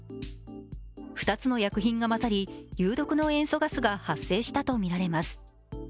２つの薬品が混ざり有毒の塩素ガスが発生したとみられます。